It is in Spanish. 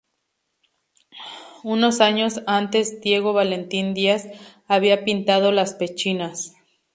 Unos años antes Diego Valentín Díaz había pintado las pechinas.